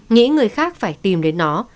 nghĩ người khác phải tìm đến nó